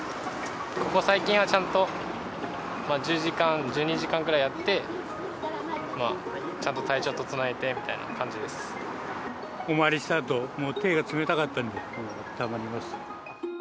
ここ最近はちゃんと、１０時間、１２時間ぐらいやって、ちゃんとお参りしたあと、もう手が冷たかったんで、あったまりますね。